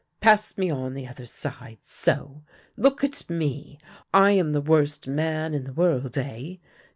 Pass me on the other side — so! Look at me. I am the worst man in the world, eh